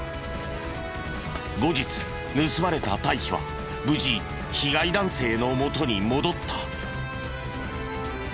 後日盗まれた堆肥は無事被害男性のもとに戻った。